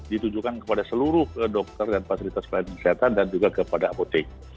ditujukan kepada seluruh dokter dan fasilitas pelayanan kesehatan dan juga kepada apotek